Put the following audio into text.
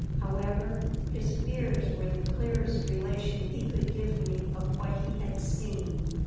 However, his fears were the clearest relation he could give me of what he had seen."